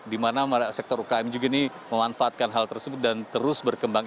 di mana sektor ukm juga ini memanfaatkan hal tersebut dan terus berkembang